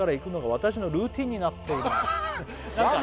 「私のルーティーンになっています」